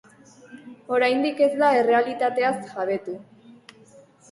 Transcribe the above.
Oraindik ez da errealitateaz jabetu.